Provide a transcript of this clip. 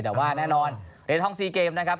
แต่ว่าแน่นอนเหรียญทอง๔เกมนะครับ